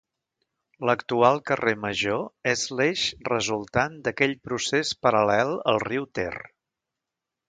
L'actual carrer Major és l’eix resultant d'aquell procés paral·lel al riu Ter.